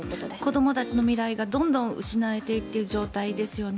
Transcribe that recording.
子どもたちの未来がどんどん失われていっている状態ですよね。